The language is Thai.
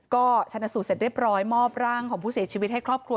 ก็ชนะสูตรเสร็จเรียบร้อยมอบร่างของผู้เสียชีวิตให้ครอบครัว